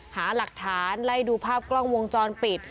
หาหลักฐานไล่ดูภาพกล้องวงจรปิด